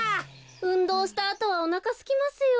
うんどうしたあとはおなかすきますよ。